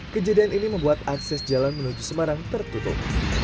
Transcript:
kejadian ini membuat akses jalan menuju semarang tertutup